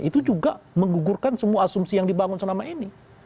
itu juga menggugurkan semua asumsi yang dibangun selama ini